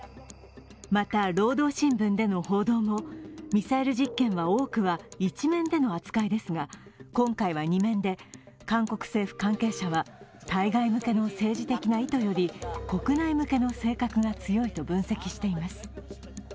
また「労働新聞」での報道もミサイル実験は多くは１面での扱いですが今回は２面で、韓国政府関係者は対外向けの政治的な意図より国内向けの性格が強いと分析しています。